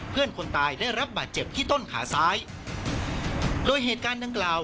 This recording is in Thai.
คนตายได้รับบาดเจ็บที่ต้นขาซ้ายโดยเหตุการณ์ดังกล่าว